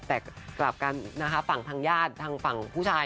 แต่กลับกันนะคะฝั่งทางญาติทางฝั่งผู้ชาย